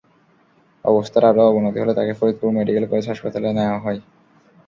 অবস্থার আরও অবনতি হলে তাঁকে ফরিদপুর মেডিকেল কলেজ হাসপাতালে নেওয়া হয়।